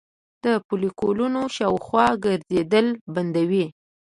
د فولیکونو شاوخوا ګرځیدل بندوي